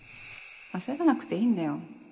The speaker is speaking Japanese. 焦らなくていいんだよ